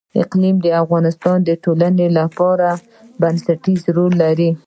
اقلیم د افغانستان د ټولنې لپاره بنسټيز رول لري.